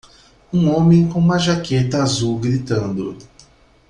Um homem com uma jaqueta azul gritando.